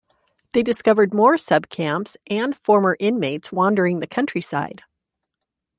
They discovered more subcamps and former inmates wandering the countryside.